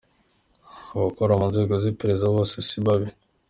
Abakora mu nzego z’iperereza bose si babi!